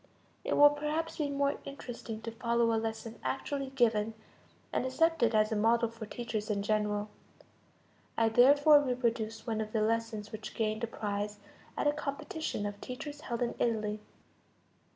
It will perhaps be more interesting to follow a lesson actually given, and accepted as a model for teachers in general. I therefore reproduce one of the lessons which gained a prize at a competition of teachers held in Italy.